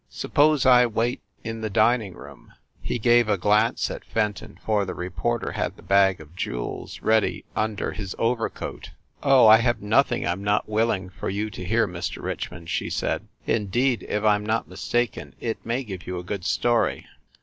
"Suppose I wait in the dining room." He gave a glance at Fenton, for the reporter had the bag of jewels ready under his overcoat. "Oh, I have nothing I m not willing for you to hear, Mr. Richmond," she said. "Indeed, if I m not mistaken, it may give you a good story